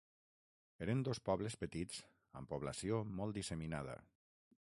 Eren dos pobles petits amb població molt disseminada.